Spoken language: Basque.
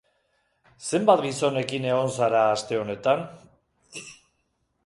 Zenbat gizonekin egon zara aste honetan?